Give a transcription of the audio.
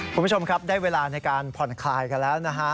คุณผู้ชมครับได้เวลาในการผ่อนคลายกันแล้วนะฮะ